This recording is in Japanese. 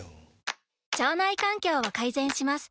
腸内環境を改善します。